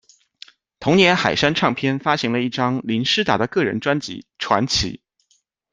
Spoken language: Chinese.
同年海山唱片发行了一张林诗达的个人专辑《传奇》。